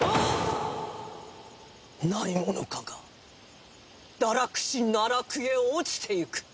何者かが堕落し奈落へ落ちてゆく。